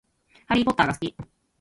ハリーポッターが好き